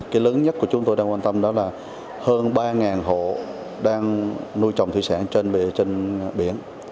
cái lớn nhất của chúng tôi đang quan tâm đó là hơn ba hộ đang nuôi trồng thủy sản trên biển